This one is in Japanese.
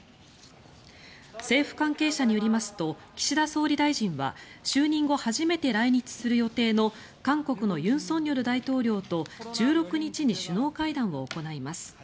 政府関係者によりますと岸田総理大臣は就任後初めて来日する予定の韓国の尹錫悦大統領と１６日に首脳会談を行います。